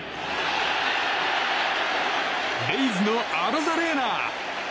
レイズのアロザレーナ。